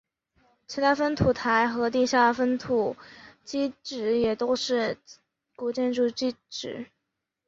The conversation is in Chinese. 其他夯土台和地下夯土基址也都是古建筑基址。